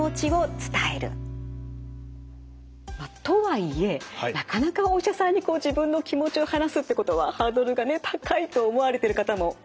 とはいえなかなかお医者さんに自分の気持ちを話すってことはハードルがね高いと思われてる方も多いようなんです。